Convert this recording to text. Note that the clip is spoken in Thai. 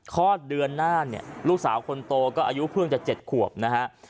คลอดเดือนหน้าเนี่ยลูกสาวคนโตก็อายุเพิ่งจะ๗ขวบนะฮะ